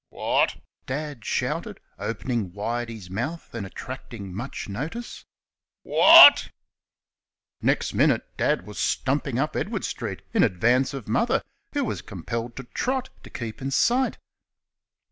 "Whaht?" Dad shouted, opening wide his mouth and attracting much notice "Whaht?" Next moment Dad was stumping up Edward street in advance of Mother, who was compelled to trot to keep in sight.